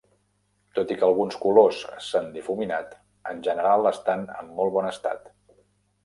Tot i que alguns colors s'han difuminat, en general estan en molt bon estat.